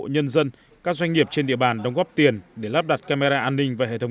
nhân dân các doanh nghiệp trên địa bàn đóng góp tiền để lắp đặt camera an ninh và hệ thống